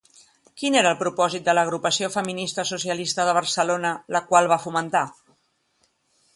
Quin era el propòsit de l'Agrupació Feminista Socialista de Barcelona la qual va fomentar?